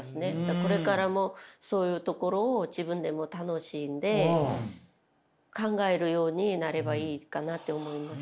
これからもそういうところを自分でも楽しんで考えるようになればいいかなって思います。